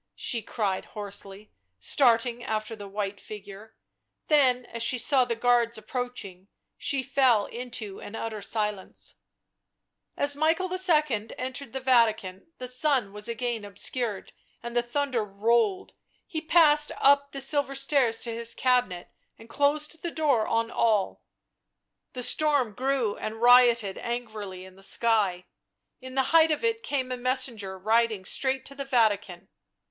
she cried hoarsely, starting after the white figure ; then, as she saw the guards approaching, she fell into an utter silence. As Michael II. entered the Vatican the sun was again obscured and the thunder rolled ; he passed up the silver stairs to his cabinet and closed the door on all. The storm grew and rioted angrily in the sky ; in the height of it came a messenger riding straight to the Vatican.